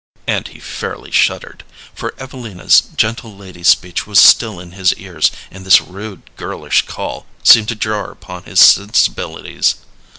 and he fairly shuddered; for Evelina's gentle lady speech was still in his ears, and this rude girlish call seemed to jar upon his sensibilities.